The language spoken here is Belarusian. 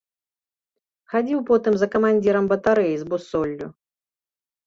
Хадзіў потым за камандзірам батарэі з бусоллю.